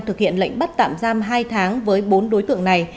thực hiện lệnh bắt tạm giam hai tháng với bốn đối tượng này